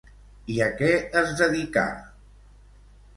I a què es dedicà?